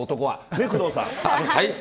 ねえ、工藤さん。